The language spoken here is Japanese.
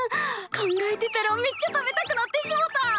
考えてたらめっちゃ食べたくなってしもた！